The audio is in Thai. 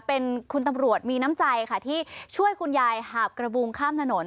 เป็นคุณตำรวจมีน้ำใจค่ะที่ช่วยคุณยายหาบกระบุงข้ามถนน